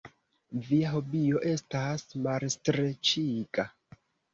Via hobio estas malstreĉiga.